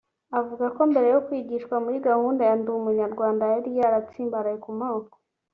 Avuga ko mbere yo kwigishwa muri gahunda ya “ndi umunyarwanda” yari yaratsimbaraye ku moko